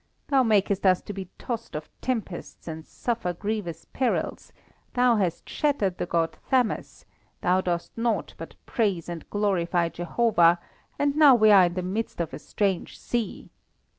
Thou makest us to be tossed of tempests and suffer grievous perils; thou hast shattered the God Thammus; thou dost nought but praise and glorify Jehovah, and now we are in the midst of a strange sea.